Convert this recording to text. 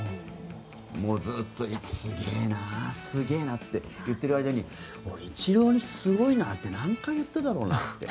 もうずっとすげーな、すげーなって言っている間にイチローにすごいなって何回言っただろうなって。